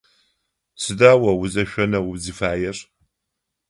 Сыда о узэшъонэу узыфаер?